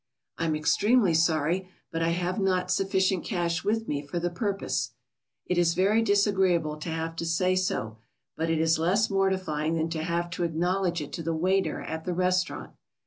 "I'm extremely sorry, but I have not sufficient cash with me for the purpose." It is very disagreeable to have to say so, but it is less mortifying than to have to acknowledge it to the waiter at the restaurant.